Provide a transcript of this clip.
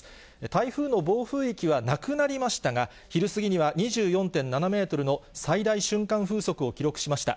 台風の暴風域はなくなりましたが、昼過ぎには２４．７メートルの最大瞬間風速を記録しました。